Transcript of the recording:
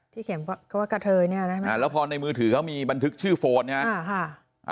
ที่เขียนก็ว่ากะเทยเนี่ยแล้วพอในมือถือเขามีบันทึกชื่อโฟนนะฮะ